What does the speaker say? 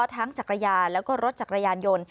ทั้งจักรยานและรถจักรยานยนต์